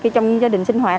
trong gia đình sinh hoạt